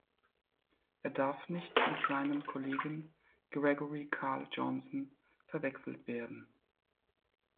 Er darf nicht mit seinem Kollegen Gregory Carl Johnson verwechselt werden.